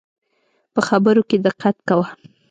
په خبرو کي دقت کوه